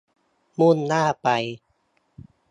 มุ่งหน้าไป